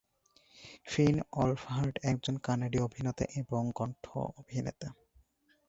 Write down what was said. ফিন Wolfhard একজন কানাডীয় অভিনেতা এবং কন্ঠ অভিনেতা।